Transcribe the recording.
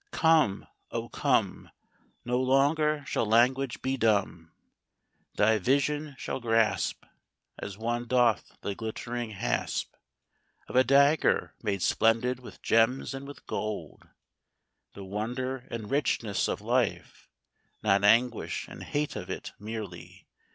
IV "Come, oh come! No longer shall language be dumb! Thy vision shall grasp As one doth the glittering hasp Of a dagger made splendid with gems and with gold The wonder and richness of life, not anguish and hate of it merely.